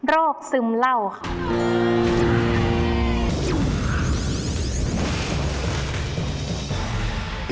โรคซึมเหล้าค่ะ